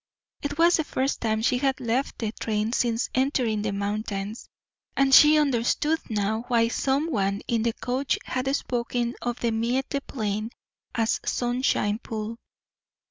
It was the first time she had left the train since entering the mountains, and she understood now why some one in the coach had spoken of the Miette Plain as Sunshine Pool.